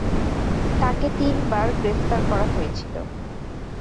তাকে তিন বার গ্রেফতার করা হয়েছিল।